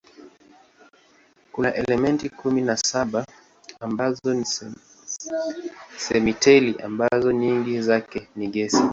Kuna elementi kumi na saba ambazo ni simetili ambazo nyingi zake ni gesi.